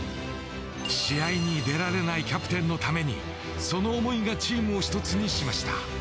試合に出られないキャプテンのためにその想いがチームを一つにしました。